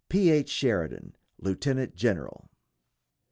P. H. SHERIDAN, Lieutenant General.